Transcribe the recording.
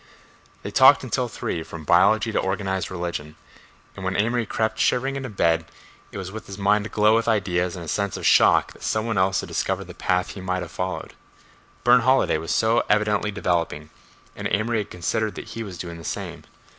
They talked until three, from biology to organized religion, and when Amory crept shivering into bed it was with his mind aglow with ideas and a sense of shock that some one else had discovered the path he might have followed. Burne Holiday was so evidently developing—and Amory had considered that he was doing the same.